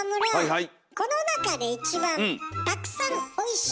はい。